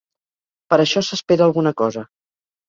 Per això s’espera alguna cosa.